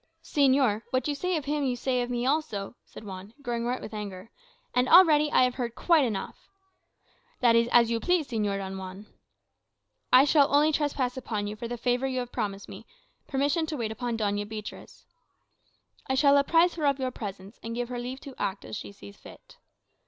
"Señor, what you say of him you say of me also," said Juan, glowing white with anger. "And already I have heard quite enough." "That is as you please, Señor Don Juan." "I shall only trespass upon you for the favour you have promised me permission to wait upon Doña Beatriz." "I shall apprise her of your presence, and give her leave to act as she sees fit."